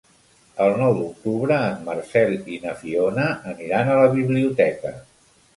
El nou d'octubre en Marcel i na Fiona aniran a la biblioteca.